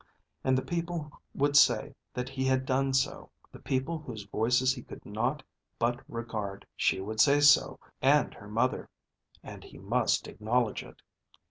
And the people would say that he had done so, the people whose voices he could not but regard. She would say so, and her mother, and he must acknowledge it.